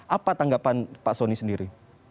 apa tanggapan pak soni sendiri